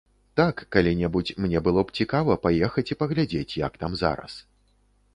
Так, калі-небудзь мне было б цікава паехаць і паглядзець, як там зараз.